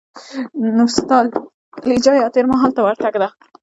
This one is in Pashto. نو ستالجیا یا تېر مهال ته ورتګ ده.